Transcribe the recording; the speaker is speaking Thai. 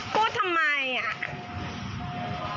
พูดทำไมอ่ะ